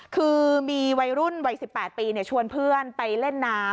คือมีวัยรุ่นวัย๑๘ปีชวนเพื่อนไปเล่นน้ำ